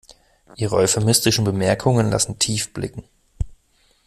Ihre euphemistischen Bemerkungen lassen tief blicken.